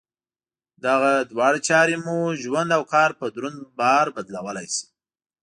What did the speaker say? دغه دواړه چارې مو ژوند او کار په دروند بار بدلولای شي.